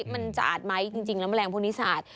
มันสะอาดไหมจริงแล้วแมลงพวกนี้สะอาด